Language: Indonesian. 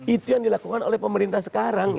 itu yang dilakukan oleh pemerintah sekarang